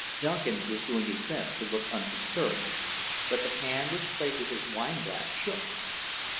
Duncan was doing his best to look unconcerned, but the hand which played with his wineglass shook.